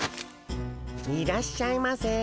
いらっしゃいませ。